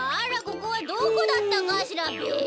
ここはどこだったかしらべ。